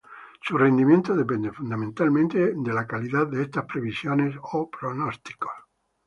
Su rendimiento depende fundamentalmente de la calidad de estas previsiones o pronósticos.